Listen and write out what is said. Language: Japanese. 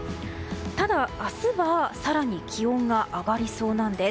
ただ、明日は更に気温が上がりそうなんです。